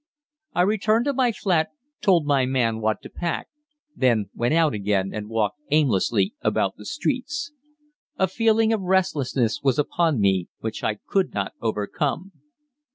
I returned to my flat, told my man what to pack, then went out again and walked aimlessly about the streets. A feeling of restlessness was upon me, which I could not overcome.